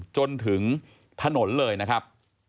จนถึงถนนเลยนะครับ